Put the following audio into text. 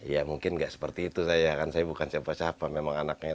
ya mungkin nggak seperti itu saya kan saya bukan siapa siapa memang anaknya